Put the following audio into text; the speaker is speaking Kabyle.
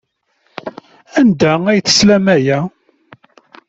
Anda ay teslam aya?